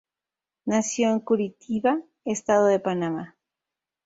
Nació en Curitiba, Estado de Paraná.